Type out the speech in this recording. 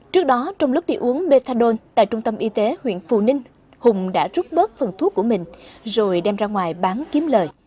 trước đó trong lúc đi uống methadone tại trung tâm y tế huyện phù ninh hùng đã rút bớt phần thuốc của mình rồi đem ra ngoài bán kiếm lời